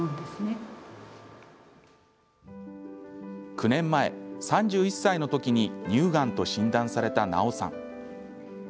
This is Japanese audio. ９年前、３１歳の時に乳がんと診断されたナオさん。